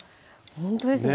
ほんとですね